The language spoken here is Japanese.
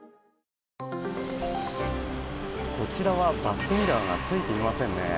こちらはバックミラーがついていませんね。